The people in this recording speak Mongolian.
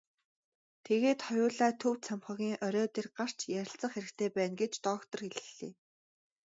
Тэгээд хоёулаа төв цамхгийн орой дээр гарч ярилцах хэрэгтэй байна гэж доктор хэллээ.